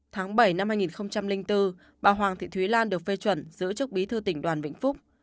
tháng bảy năm hai nghìn bốn bà hoàng thị thúy lan được phê chuẩn giữ chức bí thư tỉnh đoàn vĩnh phúc